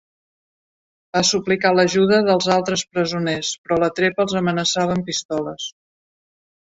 Va suplicar l'ajuda dels altres presoners, però la trepa els amenaçava amb pistoles.